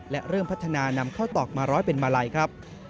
และเริ่มพัฒนานำข้าวตอกมาร้อยเป็นมาลัยครับ